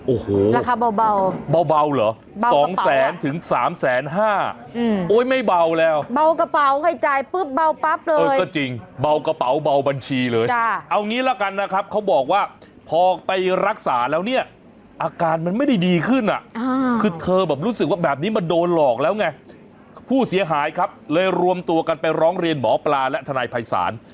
โอ้โหราคาเบาเบาเหรอสองแสนถึงสามแสนห้าโอ้ยไม่เบาแล้วเบากระเป๋าใครจ่ายปุ๊บเบาปั๊บเลยเออก็จริงเบากระเป๋าเบาบัญชีเลยเอางี้ละกันนะครับเขาบอกว่าพอไปรักษาแล้วเนี่ยอาการมันไม่ได้ดีขึ้นอ่ะคือเธอแบบรู้สึกว่าแบบนี้มันโดนหลอกแล้วไงผู้เสียหายครับเลยรวมตัวกันไปร้องเรียนหมอปลาและทนายภัยศาล